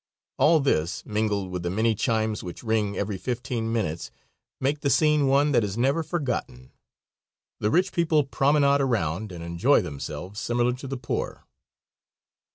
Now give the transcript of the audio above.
All this, mingled with the many chimes which ring every fifteen minutes, make the scene one that is never forgotten. The rich people promenade around and enjoy themselves similar to the poor.